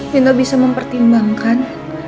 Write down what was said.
dino bisa mempertimbangkan